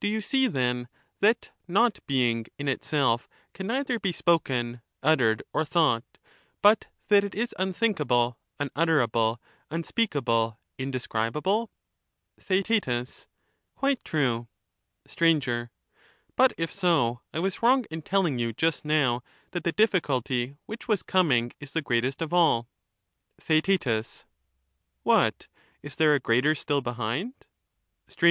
Do you see, then, that not being in itself can neither be spoken, uttered, or thought, but that it is unthinkable,, unutterable, unspeakable, indescribable ? Theaet. Quite true. Str. But, if so, I was wrong in telling you just now that the difficulty which was coming is the greatest of all. TheaeU What I is there a greater still behind ? Str.